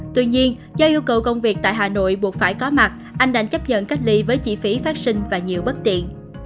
tuy nhiên do yêu cầu công việc tại hà nội buộc phải có mặt anh đành chấp nhận cách ly với chi phí phát sinh và nhiều bất tiện